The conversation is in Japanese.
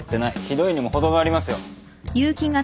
ひどいにも程がありますよ。